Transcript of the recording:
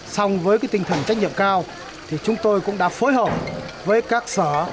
xong với tinh thần trách nhiệm cao thì chúng tôi cũng đã phối hợp với các sở